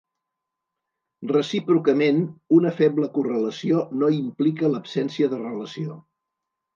Recíprocament una feble correlació no implica l'absència de relació.